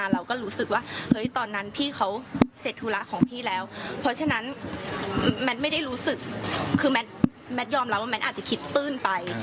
เราก็รู้สึกว่าเฮ้ยตอนนั้นพี่เขาเสร็จธุระของพี่แล้วเพราะฉะนั้นแมทไม่ได้รู้สึกคือแมทยอมรับว่าแมทอาจจะคิดตื้นไป